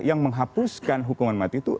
yang menghapuskan hukuman mati itu